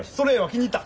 気に入った。